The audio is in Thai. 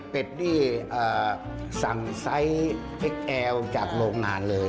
นี่สั่งไซส์เอ็กแอลจากโรงงานเลย